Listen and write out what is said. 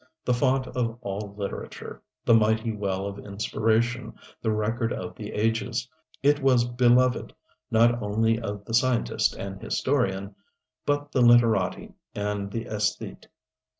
The font of all literature, the mighty well of inspiration, the record of the ages it was beloved not only of the scientist and historian, but the literati and the esthete.